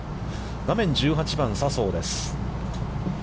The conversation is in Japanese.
画面１８番、笹生です。